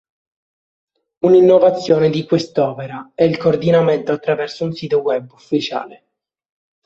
Una innovazione di quest'opera è il coordinamento attraverso un sito Web ufficiale.